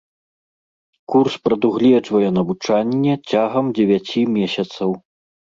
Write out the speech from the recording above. Курс прадугледжвае навучанне цягам дзевяці месяцаў.